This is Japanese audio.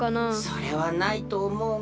それはないとおもうが。